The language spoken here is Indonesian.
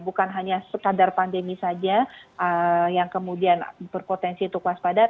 bukan hanya sekadar pandemi saja yang kemudian berpotensi untuk waspada